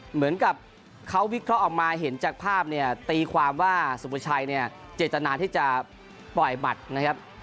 เหมือนกับเขาวิเคราะห์ออกมาเห็นจากภาพเนี่ยตีความว่าสุภาชัยเนี่ยเจตนาที่จะปล่อยหมัดนะครับ